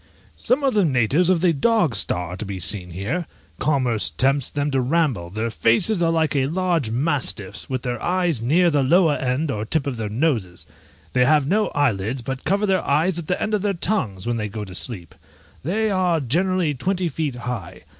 Some of the natives of the dog star are to be seen here; commerce tempts them to ramble; their faces are like large mastiffs', with their eyes near the lower end or tip of their noses: they have no eyelids, but cover their eyes with the end of their tongues when they go to sleep; they are generally twenty feet high.